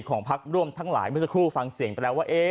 ของพักร่วมหลายมึงสักครู่ฟังเสียงไปแล้วว่า